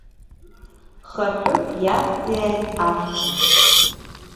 Хаҳәык иавҵиааит ашәҭыц.